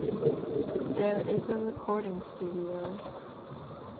There is a recording studio.